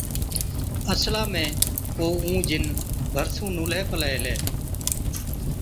اصلا ۾ ڪو اُون جِن ڀرسُون نُونهلَي پلَي هِلَي،